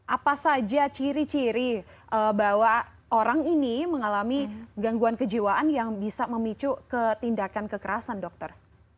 apa saja ciri ciri bahwa orang ini mengalami gangguan kejiwaan yang bisa memicu ketindakan kekerasan dokter